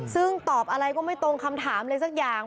ซึ่งตอบอะไรก็ไม่ตรงคำถามอะไรสักอย่าง